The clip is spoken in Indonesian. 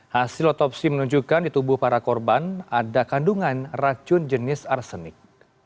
hasil otopsi menunjukkan di tubuh para korban ada kandungan racun jenis arsenik